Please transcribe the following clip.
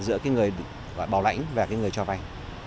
giữa người bảo lãnh và người cho vay